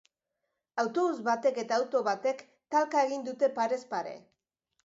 Autobus batek eta auto batek talka egin dute parez pare.